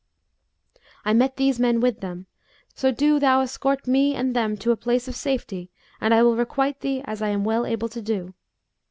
I met these men with them: so do thou escort me and them to a place of safety and I will requite thee as I am well able to do.